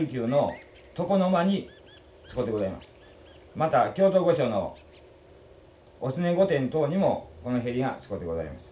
また京都御所の御常御殿等にもこの縁が使うてございます。